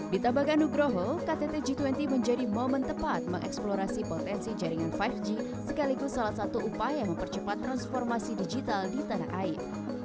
ditambahkan nugroho ktt g dua puluh menjadi momen tepat mengeksplorasi potensi jaringan lima g sekaligus salah satu upaya mempercepat transformasi digital di tanah air